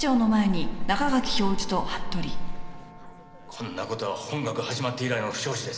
こんな事は本学始まって以来の不祥事です。